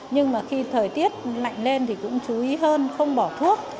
nhưng mà khi thời tiết lạnh lên thì cũng chú ý hơn không bỏ thuốc